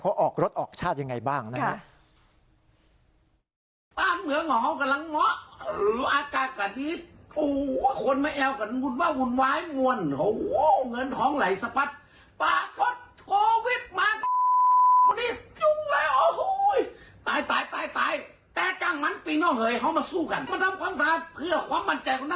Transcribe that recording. เขาออกรถออกชาติยังไงบ้างนะครับ